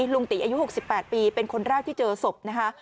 ลุงตีอายุ๖๘ปีเป็นคนแรกที่เจอศพนะคะ